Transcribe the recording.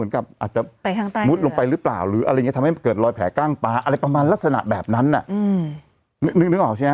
แต่เวลาขึ้นห้อง๒๒คุณจะมานั่งแบบว่า